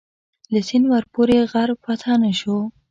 له سینده ورپورې غر فتح نه شو.